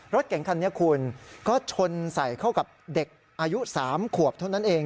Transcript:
รถเก่งคันนี้คุณก็ชนใส่เข้ากับเด็กอายุ๓ขวบเท่านั้นเอง